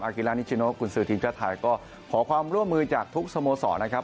กีฬานิชิโนกุญสือทีมชาติไทยก็ขอความร่วมมือจากทุกสโมสรนะครับ